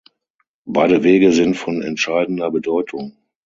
Beide Wege sind von entscheidender Bedeutung.